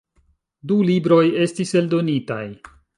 Du libroj estis eldonitaj.